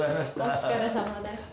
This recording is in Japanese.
お疲れさまでした。